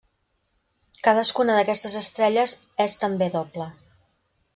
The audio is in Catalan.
Cadascuna d'aquestes estrelles és també doble.